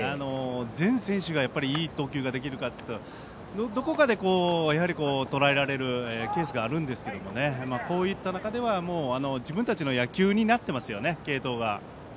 全選手がいい投球ができるかといったらどこかで、やはりとらえられるケースがありますがこういった中では自分たちの野球になってますよね継投が。